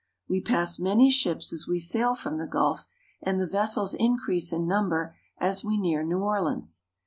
We pass many ships as we sail from the gulf, and the vessels increase in num ber as we near New Orleans.